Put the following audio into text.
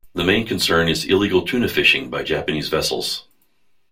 The main concern is illegal tuna fishing by Japanese vessels.